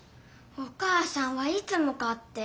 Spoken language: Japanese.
お母さんはいつもかって。